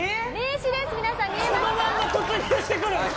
皆さん見えますか？